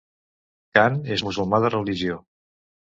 Khan és musulmà de religió.